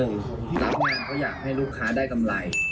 รับมาก็อยากให้ลูกค้าได้กำไร